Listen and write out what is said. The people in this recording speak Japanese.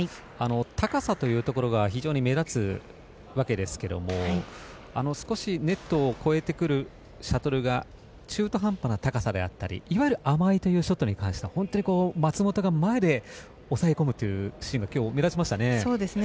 高さというところが非常に目立つわけですが少し、ネットを越えてくるシャトルが中途半端な高さであったりいわゆる甘いショットというのは本当に松本が前で押さえ込むというシーンがきょう、目立ちましたね。